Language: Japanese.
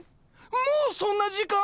もうそんな時間？